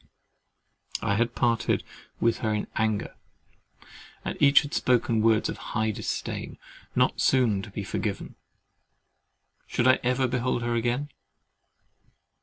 I had parted with her in anger, and each had spoken words of high disdain, not soon to be forgiven. Should I ever behold her again?